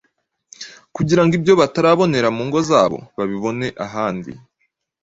kugira ngo ibyo batabonera mu ngo zabo babibonere ahandi.